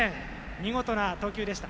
見事な投球でした。